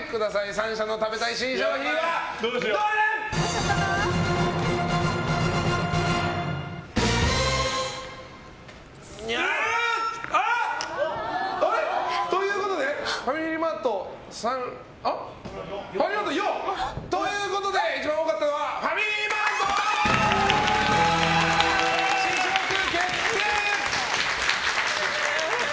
３社の食べたい新商品は、どれ？ということでファミリーマートさんが４ということで一番多かったのはファミリーマート！試食決定！